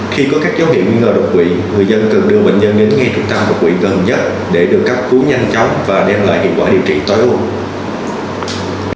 khi có các dấu hiệu nghi ngờ đột quỵ người dân cần đưa bệnh nhân đến ngay trung tâm đột quỵ gần nhất để được cấp cứu nhanh chóng và đem lại hiệu quả điều trị tối ưu